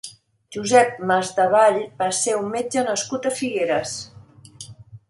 Josep Masdevall va ser un metge nascut a Figueres.